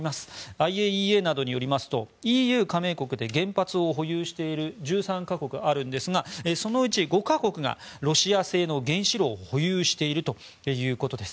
ＩＡＥＡなどによりますとＥＵ加盟国で原発を保有している１３か国あるんですがそのうち５か国がロシア製の原子炉を保有しているということです。